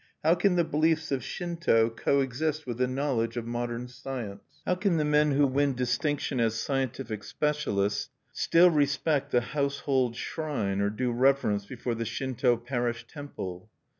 How can the beliefs of Shinto coexist with the knowledge of modern science? How can the men who win distinction as scientific specialists still respect the household shrine or do reverence before the Shinto parish temple?